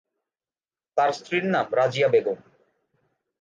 তার স্ত্রীর নাম রাজিয়া বেগম।